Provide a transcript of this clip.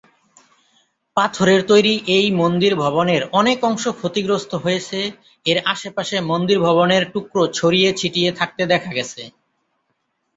পাথরের তৈরি এই মন্দির ভবনের অনেক অংশ ক্ষতিগ্রস্ত হয়েছে এর আশেপাশে মন্দির ভবনের টুকরো ছড়িয়ে ছিটিয়ে থাকতে দেখা গেছে।